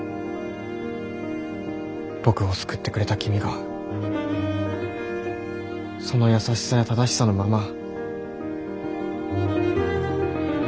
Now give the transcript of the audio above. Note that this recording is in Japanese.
僕を救ってくれた君がその優しさや正しさのまま。